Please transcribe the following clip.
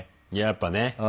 やっぱね。